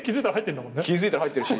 気付いたら入ってるし。